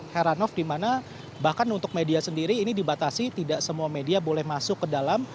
heranov dimana bahkan untuk media sendiri ini dibatasi tidak semua media boleh masuk ke dalam